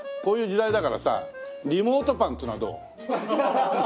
こういう時代だからさリモートパンっつうのはどう？